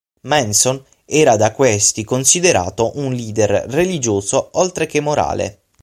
Manson era da questi considerato un leader religioso oltre che morale.